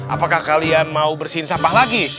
apakah kalian mau bersihin sampah lagi